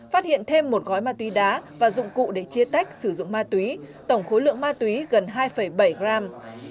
phát hiện thêm một gói ma túy đá và dụng cụ để chia tách sử dụng ma túy tổng khối lượng ma túy gần hai bảy gram